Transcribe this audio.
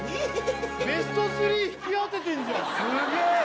ベスト３引き当ててんじゃんすげえ！